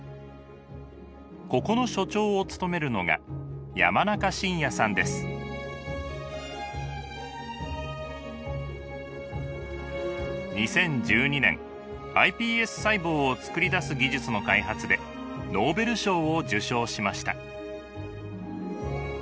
ここの所長を務めるのが２０１２年ｉＰＳ細胞をつくり出す技術の開発でノーベル賞を受賞しました。